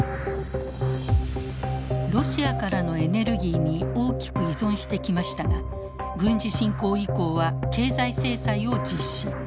ロシアからのエネルギーに大きく依存してきましたが軍事侵攻以降は経済制裁を実施。